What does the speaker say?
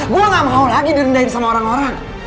gue gak mau lagi direndahin sama orang orang